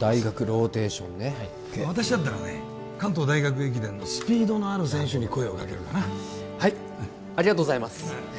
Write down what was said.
大学ローテーションね私だったらね関東大学駅伝のスピードのある選手に声をかけるかなはいありがとうございます